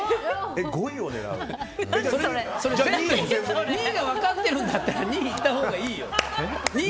２位が分かってるんだったら２位にいったほうがいいよ！